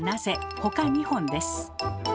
ほか２本です。